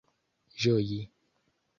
ĝoji